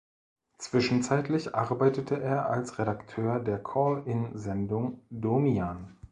Zwischenzeitlich arbeitete er als Redakteur der Call-in-Sendung "Domian".